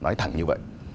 nói thẳng như vậy